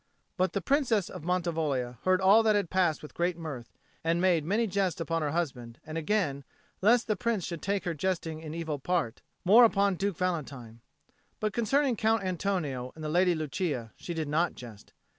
But the Princess of Mantivoglia heard all that had passed with great mirth, and made many jests upon her husband; and again, lest the Prince should take her jesting in evil part, more upon Duke Valentine. But concerning Count Antonio and the Lady Lucia she did not jest.